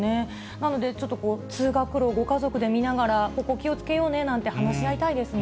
なので、ちょっとこう、通学路、ご家族で見ながら、ここ、気をつけようねなんて話し合いたいですね。